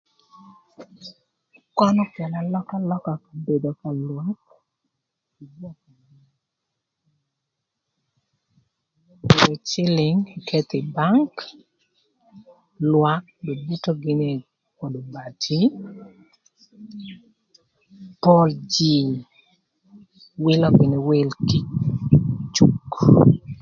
Köny okelo alökalöka pï bedo ka lwak ka onwongo gïnï cïlïng ketho ï bank lwak gërö gïnï öd obati, pol jïï wïlö gïnï wïl kï ï cuk.